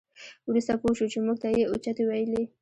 وروسته پوه شوو چې موږ ته یې اوچتې ویلې.